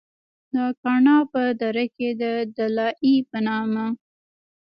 د کاڼا پۀ دره کښې د “دلائي” پۀ نامه